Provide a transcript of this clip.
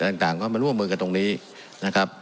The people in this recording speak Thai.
ต่างต่างก็มาร่วมมือกันตรงนี้นะครับ